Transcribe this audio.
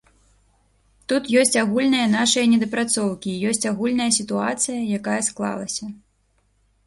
Тут ёсць агульныя нашыя недапрацоўкі і ёсць агульная сітуацыя, якая склалася.